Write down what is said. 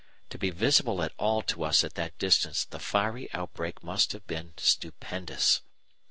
To be visible at all to us at that distance the fiery outbreak must have been stupendous.